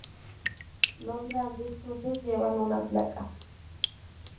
Los grandes cruces llevan una placa.